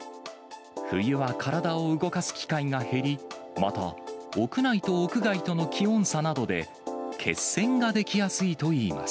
冬は体を動かす機会が減り、また、屋内と屋外との気温差などで、血栓が出来やすいといいます。